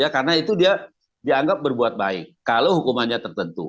karena itu dia dianggap berbuat baik kalau hukumannya tertentu